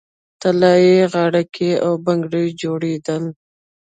طلايي غاړکۍ او بنګړي جوړیدل